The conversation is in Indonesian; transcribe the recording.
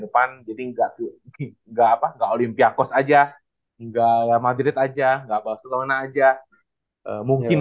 depan jadi enggak enggak apa apa olympiakos aja enggak madrid aja gak barcelona aja mungkin